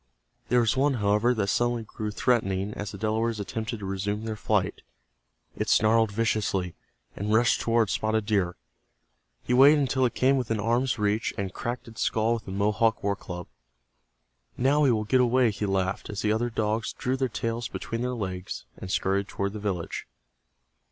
There was one, however, that suddenly grew threatening as the Delawares attempted to resume their flight. It snarled viciously, and rushed toward Spotted Deer. He waited until it came within arm's reach, and cracked its skull with the Mohawk war club. "Now we will get away," he laughed, as the other dogs drew their tails between their legs and scurried toward the village.